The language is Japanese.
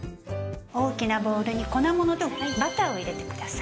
大きなボールに粉物とバターを入れてください。